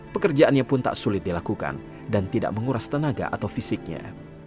pekerjaannya pun tak sulit dilakukan dan tidak menguras tenaga atau fisiknya